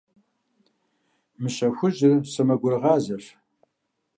Мыщэ хужьхэр сэмэгурыгъазэщ.